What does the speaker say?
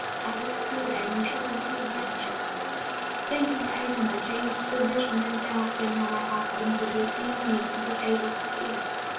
I was too anxious and too wretched, thinking over my changed position, and doubting how my husband would receive me, to be able to sleep.